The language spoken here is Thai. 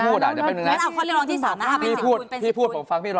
คุณจะให้ยกเกณฑ์ทหารจริงหรอ